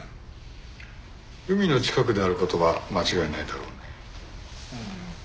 海の近くである事は間違いないだろうね。